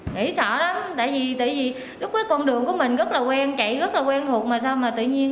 nghĩ sợ lắm tại vì lúc đó con đường của mình rất là quen chạy rất là quen thuộc mà sao mà tự nhiên